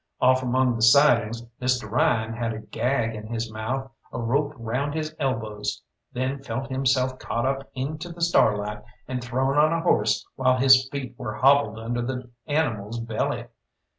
Off among the sidings Mr. Ryan had a gag in his mouth, a rope round his elbows; then felt himself caught up into the starlight and thrown on a horse while his feet were hobbled under the animal's belly.